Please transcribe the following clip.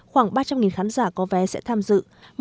khoảng ba trăm linh khán giả có vé sẽ tham dự